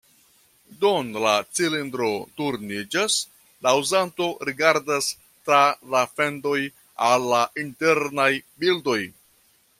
Dum la cilindro turniĝas, la uzanto rigardas tra la fendoj al la internaj bildoj.